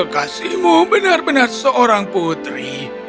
kasihmu benar benar seorang putri